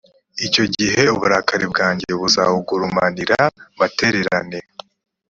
icyo gihe uburakari bwanjye buzawugurumanira, mbatererane.